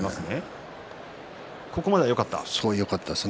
途中まではよかったです。